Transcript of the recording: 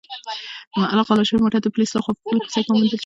غلا شوی موټر د پولیسو لخوا په بله کوڅه کې وموندل شو.